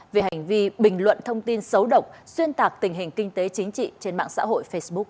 về hành vi bình luận thông tin xấu độc xuyên tạc tình hình kinh tế chính trị trên mạng xã hội facebook